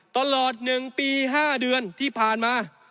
ตลอด๑ปี๕เดือนที่ผ่านมา